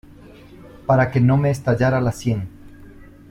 para que no me estallara la sien.